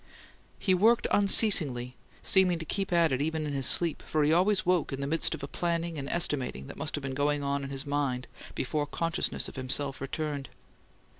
He worked unceasingly, seeming to keep at it even in his sleep, for he always woke in the midst of a planning and estimating that must have been going on in his mind before consciousness of himself returned.